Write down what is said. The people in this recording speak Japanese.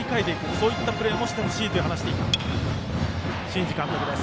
そういったプレーもしてほしいと話していた新治監督。